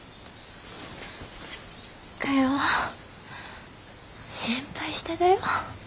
かよ心配しただよ。